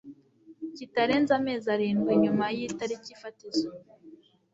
kitarenze amezi arindwi nyuma y itariki fatizo